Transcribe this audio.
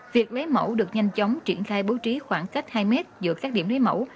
việc lấy mẫu được nhanh chóng triển khai bố trí khoảng cách hai mét giữa các điểm lấy mẫu